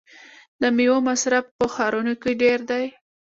د میوو مصرف په ښارونو کې ډیر دی.